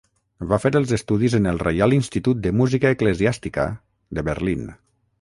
Va fer els estudis en el Reial Institut de Música eclesiàstica, de Berlín.